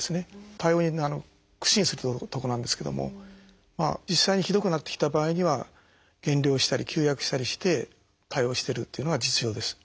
対応に苦心するとこなんですけども実際にひどくなってきた場合には減量したり休薬したりして対応してるっていうのが実情です。